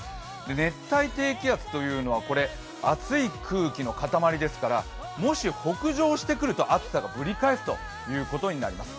熱帯低気圧というのは熱い空気のかたまりですからもし、北上してくると暑さがぶり返すことになります。